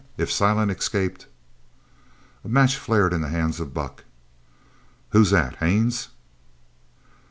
If Silent escaped " A match flared in the hands of Buck. "Who's that? Haines!"